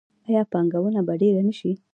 آیا پانګونه به ډیره نشي؟